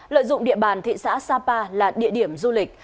lợi dụng địa bàn thị xã sapa là địa điểm du lịch